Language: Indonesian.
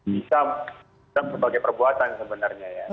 bisa dalam berbagai perbuatan sebenarnya ya